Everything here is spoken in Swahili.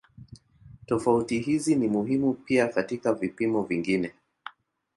Tofauti hizi ni muhimu pia katika vipimo vingine.